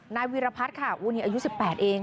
นายวิรพัฒน์ค่ะวันนี้อายุ๑๘เอง